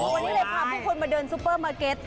วันนี้เลยพาผู้คนมาเดินซูเปอร์มาร์เก็ต